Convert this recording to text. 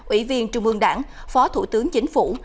ủy viên trung ương đảng phó thủ tướng chính phủ